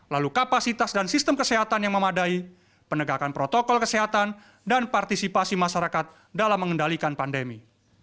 lalu kapasitas dan sistem kesehatan yang memadai penegakan protokol kesehatan dan partisipasi masyarakat dalam mengendalikan pandemi